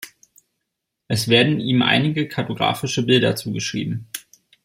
Es werden ihm einige kartografische Bilder zugeschrieben.